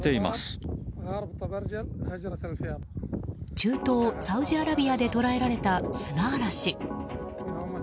中東サウジアラビアで捉えられた砂嵐。